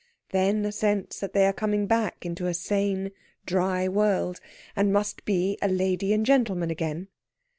Then a sense that they are coming back into a sane, dry world, and must be a lady and a gentleman again.